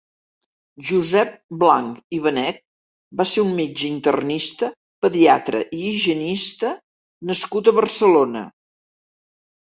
Josep Blanc i Benet va ser un metge internista, pediatre i higienista nascut a Barcelona.